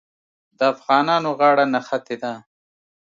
د افغانانو غاړه نښتې ده.